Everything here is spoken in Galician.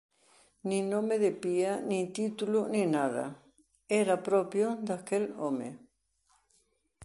Nin nome de pía, nin título, nin nada… Era propio daquel home.